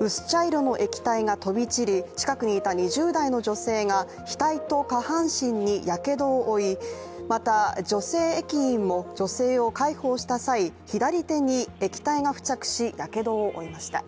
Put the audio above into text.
薄茶色の液体が飛び散り、近くにいた２０代の女性が額と下半身にやけどを負い、また女性駅員も女性を介抱した際左手に液体が付着しやけどを負いました。